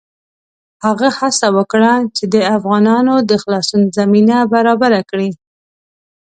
هغه هڅه وکړه چې د افغانانو د خلاصون زمینه برابره کړي.